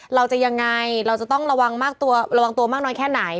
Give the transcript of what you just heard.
เราจะยังไงเราจะต้องระวังตัวมากน้อยแค่ไหน